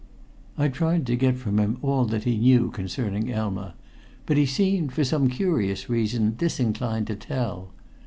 I tried to get from him all that he knew concerning Elma, but he seemed, for some curious reason, disinclined to tell.